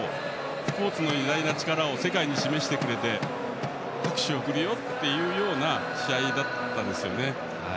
スポーツの偉大な力を世界に示してくれて拍手を送るよというような試合だったですよね。